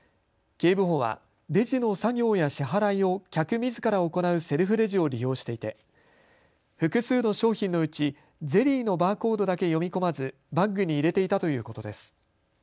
警部補はレジの作業や支払いを客みずから行うセルフレジを利用していて複数の商品のうちゼリーのバーコードだけ読み込まずバッグに入れていたということです。